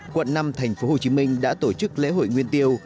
quận năm tp hcm đã tổ chức lễ hội nguyên tiêu